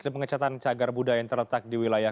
dan pengecatan cagar budaya yang terletak di wilayah